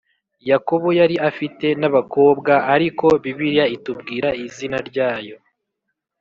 yakobo yari afite n abakobwa ariko bibiliya itubwira izina ryayo